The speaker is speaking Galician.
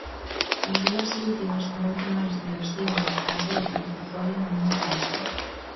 As dúas últimas, moito máis verosímiles ca as outras, apoian a miña tese.